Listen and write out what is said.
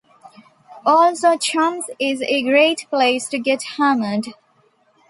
Also Chums is a great place to get hammered.